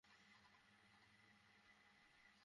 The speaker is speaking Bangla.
এটা কি পেট্রোলের গন্ধ পাচ্ছি?